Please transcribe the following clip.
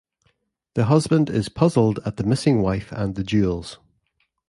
The husband is puzzled at the missing wife and the jewels.